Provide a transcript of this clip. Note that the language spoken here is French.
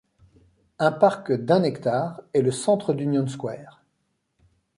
Un parc d'un hectare est le centre d'Union Square.